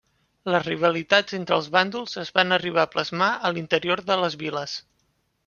Les rivalitats entre els bàndols es van arribar a plasmar a l'interior de les viles.